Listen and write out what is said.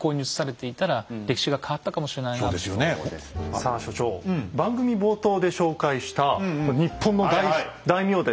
さあ所長番組冒頭で紹介した日本の大名でね